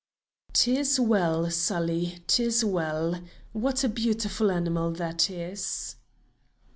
"'Tis well, Sali, 'tis well. What a beautiful animal that is!"